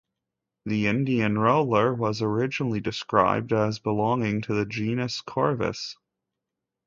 The Indian roller was originally described as belonging to the genus "Corvus".